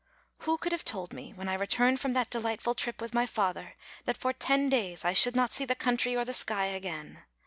Who could have told me, when I returned from that delightful trip with my father, that for ten days I should not see the country or the sky again?